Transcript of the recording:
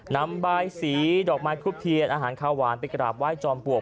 นำบายสีดอกไม้ทุบเทียนอาหารข้าวหวานไปกราบไห้จอมปลวก